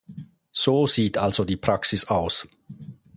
So sieht also die Praxis aus.